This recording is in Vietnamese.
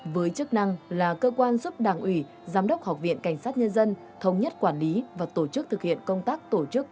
với chức năng là cơ quan giúp đảng ủy giám đốc học viện cảnh sát nhân dân thống nhất quản lý và tổ chức thực hiện công tác tổ chức